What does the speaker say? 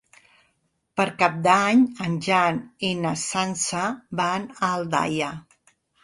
Per Cap d'Any en Jan i na Sança van a Aldaia.